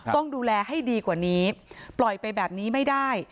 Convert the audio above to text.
ต้องดูแลให้ดีกว่านี้ปล่อยไปแบบนี้ไม่ได้